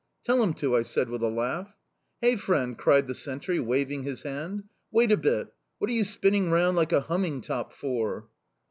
"'Tell him to!' I said, with a laugh. "'Hey, friend!' cried the sentry, waving his hand. 'Wait a bit. What are you spinning round like a humming top for?